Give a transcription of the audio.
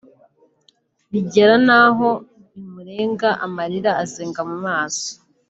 bigera n’aho bimurenga amarira azenga mu maso